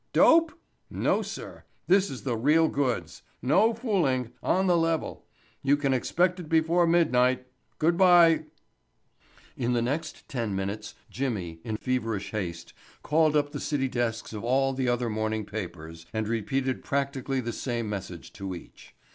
—Dope?—No, sir, this is the real goods. No fooling—on the level—you can expect it before midnight. Good bye." In the next ten minutes Jimmy, in a frenzy of feverish haste, called up the city desks of all the other morning papers and repeated practically the same message to each.